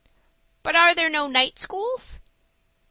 "But are there no night schools?"